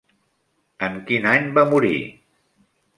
En quin any va morir?